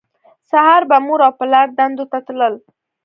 سهار به مور او پلار دندو ته تلل